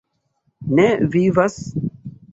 Ne Vivas?